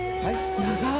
長い！